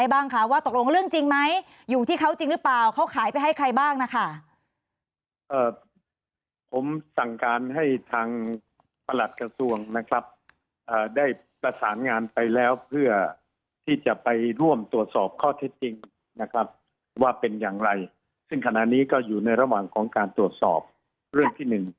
ซังการให้ทางผลัดกระทรวงนะครับได้ประสานงานไปแล้วเพื่อที่จะไปร่วมตรวจสอบข้อแท็กติ่งนะครับว่าเป็นอย่างไรสิ่งขณะนี้ก็อยู่ในระหว่างของการตรวจสอบเรื่องที่๑